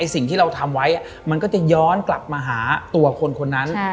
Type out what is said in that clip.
สิ่งที่เราทำไว้มันก็จะย้อนกลับมาหาตัวคนคนนั้น